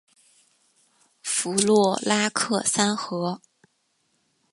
弗洛拉克三河。